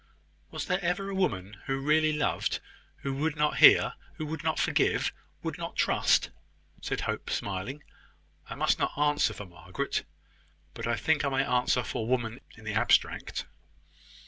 "Was there ever a woman who really loved who would not hear, would not forgive, would not trust?" said Hope, smiling. "I must not answer for Margaret; but I think I may answer for woman in the abstract."